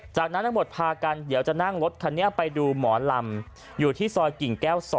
จากนั้นทั้งหมดพากันเดี๋ยวจะนั่งรถคันนี้ไปดูหมอลำอยู่ที่ซอยกิ่งแก้ว๒